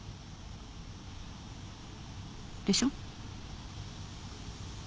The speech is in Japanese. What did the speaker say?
でしょ？